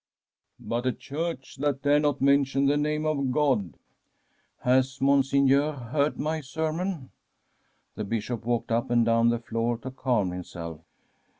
' But a Church that dare not mention the name of God •' Has Monseigneur heard my sermon? ' The Bishop walked up and down the floor to calm himself.